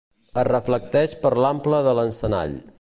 Es reflecteix per l'ample de l'encenall.